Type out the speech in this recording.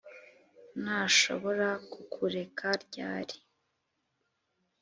nashobora kukureka ryari? '